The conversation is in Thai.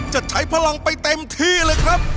จะใช้พลังไปเต็มที่เลยครับ